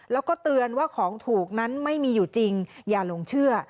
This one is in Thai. แล้วก็เตือนว่าของถูกนั้นไม่มีอยู่จริงอย่าหลงเชื่อ